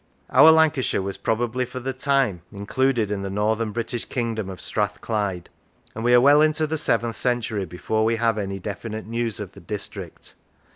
Our Lancashire was probably for the time included in the northern British kingdom of Strathclyde, and we are well into the seventh century before we have any definite news of the district.